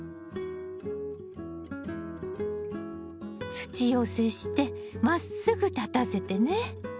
土寄せしてまっすぐ立たせてね。